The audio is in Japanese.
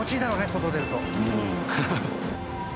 外出ると。